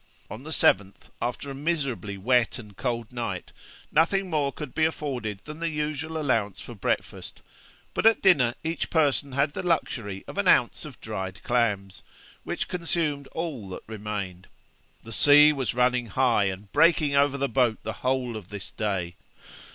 On the 7th, after a miserably wet and cold night, nothing more could be afforded than the usual allowance for breakfast; but at dinner each person had the luxury of an ounce of dried clams, which consumed all that remained. The sea was running high and breaking over the boat the whole of this day.